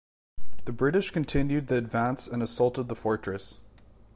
The British continued the advance and assaulted the fortress.